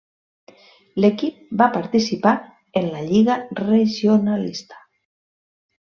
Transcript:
L'equip va participar en la Lliga Regionalista.